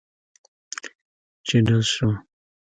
چې ډز سو.